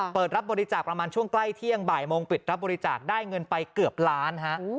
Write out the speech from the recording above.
เปิดรับบริจาคประมาณช่วงใกล้เที่ยงบ่ายโมงปิดรับบริจาคได้เงินไปเกือบล้านฮะ